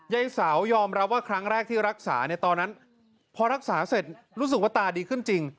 ยายสาวยอมรับว่าครั้งแรกที่รักษาเนี่ยตอนนั้นพอรักษาเสร็จรู้สึกว่าตาดีขึ้นจริง